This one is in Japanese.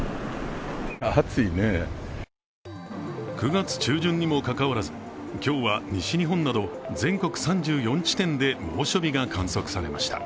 ９月中旬にもかかわらず今日は西日本など全国３４地点で猛暑日が観測されました。